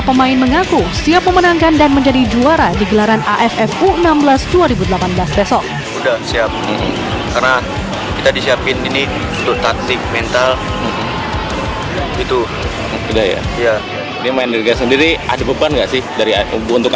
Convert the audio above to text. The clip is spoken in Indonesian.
pemain mengaku siap memenangkan dan menjadi juara di gelaran aff u enam belas dua ribu delapan belas besok